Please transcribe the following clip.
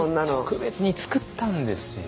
特別に作ったんですよ。